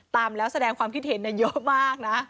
ตามแล้วแสดงความคิดเห็นเยอะมากนะ